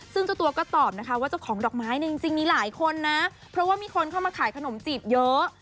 ซึ่งเจ้าตัวก็ตอบนะคะว่าเจ้าของดอกไม้เนี่ยจริงมีหลายคนนะเพราะว่ามีคนเข้ามาขายขนมจีบเยอะ